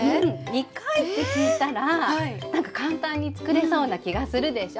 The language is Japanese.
２回って聞いたらなんか簡単に作れそうな気がするでしょう？